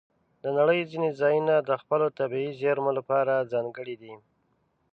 د نړۍ ځینې ځایونه د خپلو طبیعي زیرمو لپاره ځانګړي دي.